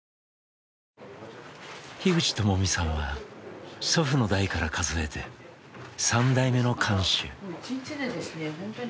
口智巳さんは祖父の代から数えて３代目の館主。